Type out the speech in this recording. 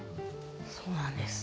そうなんです。